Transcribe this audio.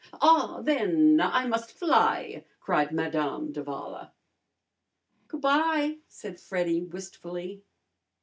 "Ah, then I must fly," cried Madame d'Avala. "Goo' bye!" said Freddy wistfully.